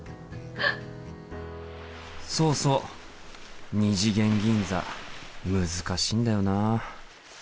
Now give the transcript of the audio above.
そうそう二次元銀座難しいんだよな。